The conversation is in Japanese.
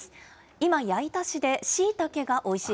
今、矢板市でしいたけがおいしい